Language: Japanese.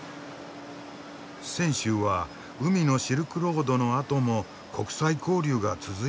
泉州は海のシルクロードのあとも国際交流が続いていたんだ。